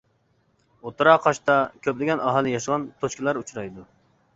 «ئوتتۇرا قاش» تا كۆپلىگەن ئاھالە ياشىغان توچكىلار ئۇچرايدۇ.